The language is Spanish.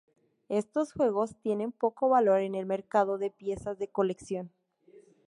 Estos juegos tienen poco valor en el mercado de piezas de colección.